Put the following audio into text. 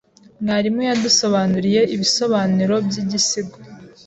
Mwarimu yadusobanuriye ibisobanuro byigisigo.